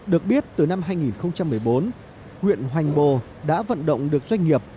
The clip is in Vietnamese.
được biết từ năm hai nghìn một mươi bốn huyện hoành bồ đã vận động được doanh nghiệp